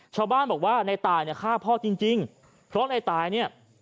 ชาวบ้านบอกว่าในตายเนี่ยฆ่าพ่อจริงจริงเพราะในตายเนี่ย